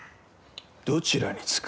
どちらにつく？